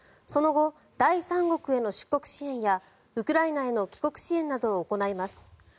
その後、第三国への出国支援やウクライナへの帰国支援などを行います。